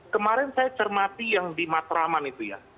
kemarin saya cermati yang di matraman itu ya